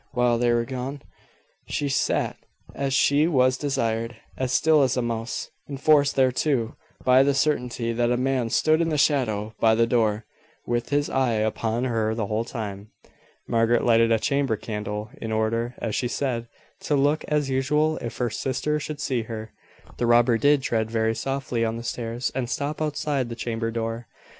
While they were gone, she sat as she was desired, as still as a mouse, enforced thereto by the certainty that a man stood in the shadow by the door, with his eye upon her the whole time. Margaret lighted a chamber candle, in order, as she said, to look as usual if her sister should see her. The robber did tread very softly on the stairs, and stop outside the chamber door.